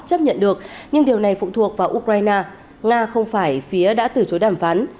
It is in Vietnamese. chấp nhận được nhưng điều này phụ thuộc vào ukraine nga không phải phía đã từ chối đàm phán